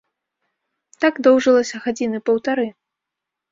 Так доўжылася гадзіны паўтары.